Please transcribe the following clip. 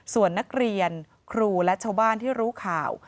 ส่วนนักเรียนครูและชาวบ้านที่รู้ข่าว